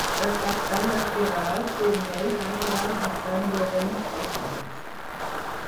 Per Cap d'Any na Queralt i en Nel aniran a Sant Llorenç d'Hortons.